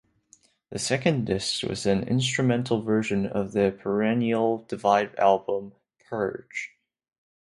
The second disc was an instrumental version of the Perennial Divide album, "Purge".